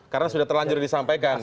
karena sudah terlanjur disampaikan